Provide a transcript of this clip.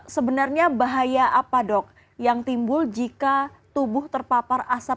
sebenarnya bahaya apa dok yang timbul jika tubuh terpapar asap